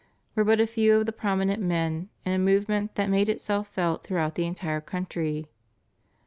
were but a few of the prominent men in a movement that made itself felt throughout the entire country.